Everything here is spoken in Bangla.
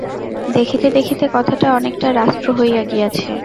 দেখিতে দেখিতে কথাটা অনেকটা রাষ্ট্র হইয়া গিয়াছে।